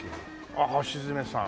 ああ橋爪さん。